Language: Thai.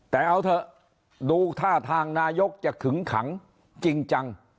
แต่เอาเถอะดูท่าทางนายกจะขึงขังจริงจัง